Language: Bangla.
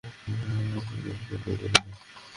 আন্টি ঠিকই বলেছে।